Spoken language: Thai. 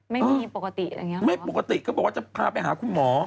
ไม่มีปกติอย่างนี้หรอไม่ปกติก็บอกว่าจะพาไปหาคุณหมอ